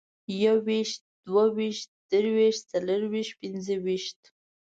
يويشت، دوه ويشت، درويشت، څلرويشت، پينځويشت